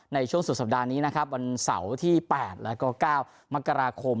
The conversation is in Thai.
ในช่วงสุดสัปดาห์นี้นะครับวันเสาร์ที่๘แล้วก็๙มกราคม